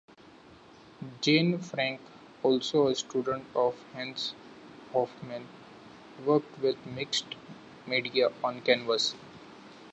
Jane Frank, also a student of Hans Hofmann, worked with mixed media on canvas.